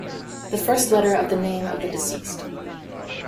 The first letter of the name of the deceased.